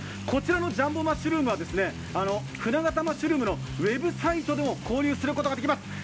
こちらのジャンボマッシュルームは舟形マッシュルームのウェブサイトでも購入することができます。